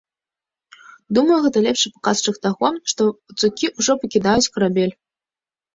Думаю, гэта лепшы паказчык таго, што пацукі ўжо пакідаюць карабель.